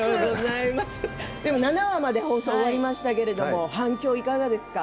７話まで放送が終わりましたけれども反響はいかがですか？